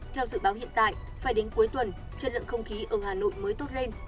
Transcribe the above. theo dự báo hiện tại phải đến cuối tuần chất lượng không khí ở hà nội mới tốt lên